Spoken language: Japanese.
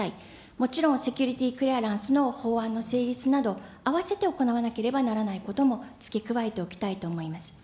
もちろんセキュリティクリアランスの法案の成立など、併せて行わなければならないこともつけ加えておきたいと思います。